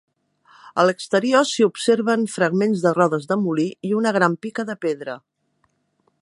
A l'exterior s'hi observen fragments de rodes de molí i una gran pica de pedra.